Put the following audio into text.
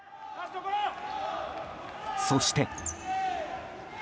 そして。